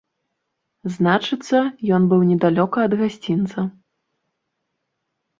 Значыцца, ён быў недалёка ад гасцінца.